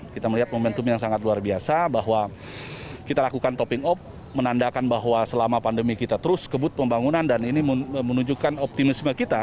bentuknya sangat luar biasa bahwa kita lakukan topping up menandakan bahwa selama pandemi kita terus kebut pembangunan dan ini menunjukkan optimisme kita